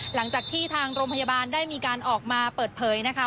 หลังจากที่ทางโรงพยาบาลได้มีการออกมาเปิดเผยนะคะ